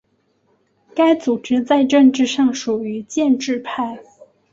该组织在政治上属于建制派。